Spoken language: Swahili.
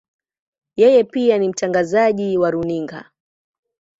Yeye pia ni mtangazaji wa runinga.